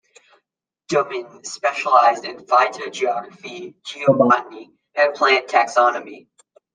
Domin specialised in phytogeography, geobotany and plant taxonomy.